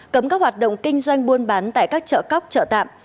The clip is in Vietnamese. cấm các hoạt động kinh doanh buôn bán tại các chợ cóc chợ tạm